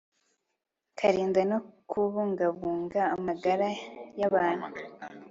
kurinda no kubungabunga amagara y'abantu